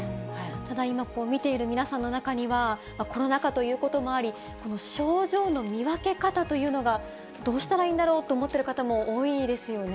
ただ、今、見ている皆さんの中には、コロナ禍ということもあり、この症状の見分け方というのが、どうしたらいいんだろうと思っている方も多いですよね。